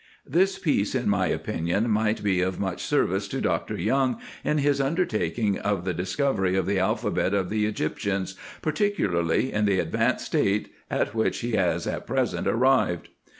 This piece in my opinion might be of much service to Dr. Young in his undertaking of the disco very of the alphabet of the Egyptians, particularly in the advanced state at which he has at present arrived.